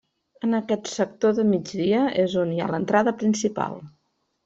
En aquest sector de migdia és on hi ha l'entrada principal.